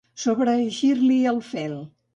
Sobreeixir-li el fel.